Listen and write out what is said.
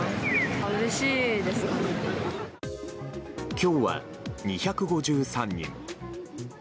今日は２５３人。